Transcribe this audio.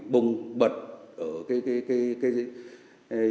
bùng bật ở cái